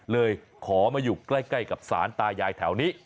เลยขอมาอยู่ใกล้กับสารตายายแถวนี้